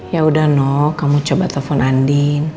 ya udah noh kamu coba telepon andi